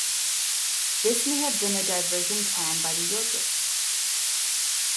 This may have been a diversion planned by the Yorkists.